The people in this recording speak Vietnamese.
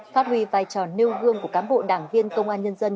phát huy vai trò nêu gương của cán bộ đảng viên công an nhân dân